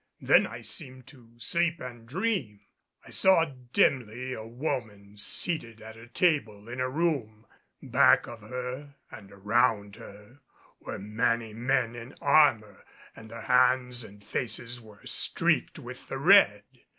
Then I seemed to sleep and dream. I saw dimly a woman seated at a table in a room. Back of her and around her were many men in armor, and their hands and faces were streaked with the red.